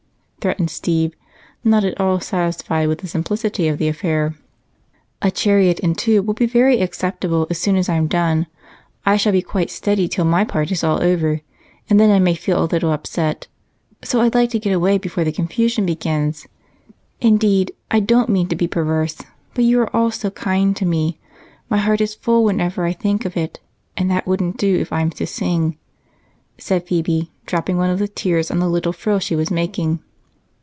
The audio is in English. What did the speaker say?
threatened Steve, not at all satisfied with the simplicity of the affair. "A chariot and two will be very acceptable as soon as I'm done. I shall be quite steady till my part is all over, and then I may feel a little upset, so I'd like to get away before the confusion begins. Indeed, I don't mean to be perverse, but you are all so kind to me, my heart is full whenever I think of it, and that wouldn't do if I'm to sing," said Phebe, dropping one of the tears on the little frill she was making.